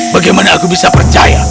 bagaimana aku bisa percaya